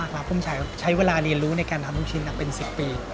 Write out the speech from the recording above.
ขอเนินฮุชินห์เนี้ยกับหมูชินฮุชินน่ะเป็น๑๐ปี